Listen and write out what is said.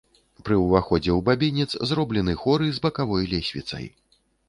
Пры ўваходзе ў бабінец зроблены хоры з бакавой лесвіцай.